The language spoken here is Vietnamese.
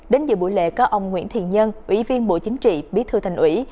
đến dự buổi lễ có ông nguyễn thiện nhân ủy viên bộ chính trị bí thư thành ủy